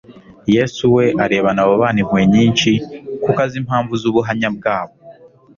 Yesu we, arebana abo bana impuhwe nyinshi, kuko azi impamvu z'ubuhanya bwabo.